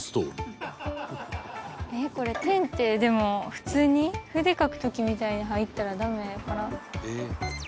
えっこれ「天」ってでも普通に筆で書く時みたいに入ったらダメやから。